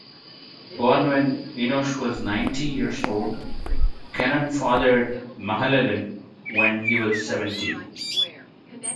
Born when Enosh was ninety years old, Kenan fathered Mahalalel when he was seventy.